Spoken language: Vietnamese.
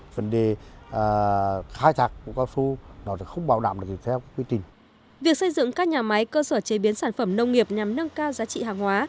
việc xây dựng các nhà máy cơ sở chế biến sản phẩm nông nghiệp nhằm nâng cao giá trị hàng hóa